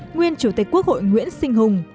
nguyên chủ tịch quốc hội nguyễn sinh hùng